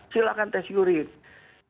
silahkan tes urine